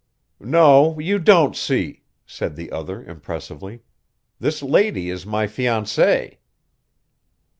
"No, you don't see," said the other, impressively. "This lady is my fiancée."